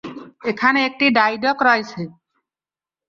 এখানে একটি dry dock রয়েছে।